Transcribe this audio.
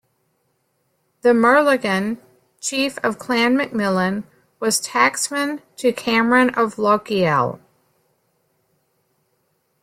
The Murlagan, chief of Clan MacMillan was tacksman to Cameron of Lochiel.